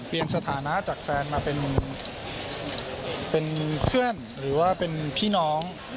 สถานะจากแฟนมาเป็นเพื่อนหรือว่าเป็นพี่น้อง